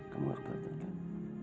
kamu akan perhatikan